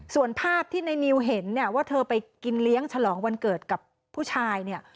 ส่วนภาพที่นายนิวเห็นว่าเธอไปกินเลี้ยงฉลองวันเกิดกับผู้ชาย